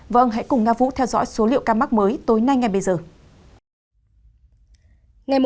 vâng hãy cùng nga vũ theo dõi số liệu ca mắc mới tối nay ngay bây giờ